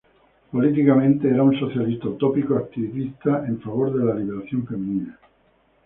Políticamente era un socialista utópico activista en favor de la liberación femenina.